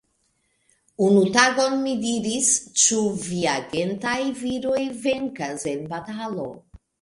Unu tagon mi diris, Ĉu viagentaj viroj venkas en batalo?